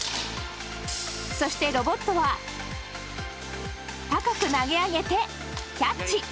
そしてロボットは高く投げ上げてキャッチ。